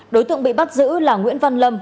đối tượng bị bắt giữ là nguyễn văn lâm